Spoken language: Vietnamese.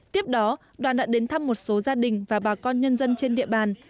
tiếp đó đoàn đã đến thăm một số gia đình và bà con nhân dân trên địa bàn